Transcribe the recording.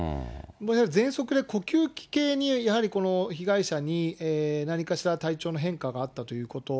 やはりぜんそくで呼吸器系に、やはり被害者に何かしら体調の変化があったということ。